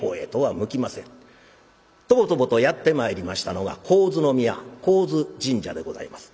トボトボとやって参りましたのは高津宮高津神社でございます。